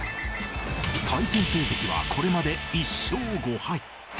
対戦成績はこれまで１勝５敗。